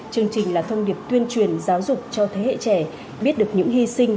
chương trình là thông điệp tuyên truyền giáo dục cho thế hệ trẻ biết được những hy sinh